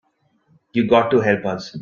You got to help us.